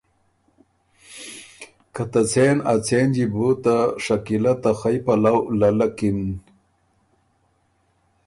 که ته څېن ا څېنجی بو ته شکیله ته خئ پلؤ للکِن۔